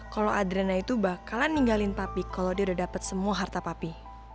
kalau adriana itu bakalan ninggalin papi kalau dia udah dapet semua harta papi